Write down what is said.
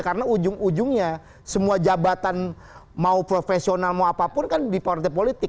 karena ujung ujungnya semua jabatan mau profesional mau apapun kan di partai politik